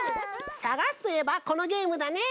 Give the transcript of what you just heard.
さがすといえばこのゲームだね！